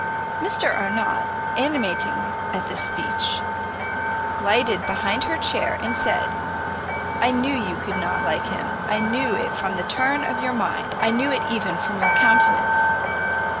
Mr Arnott, animating at this speech, glided behind her chair, and said, "I knew you could not like him! I knew it from the turn of your mind; I knew it even from your countenance!"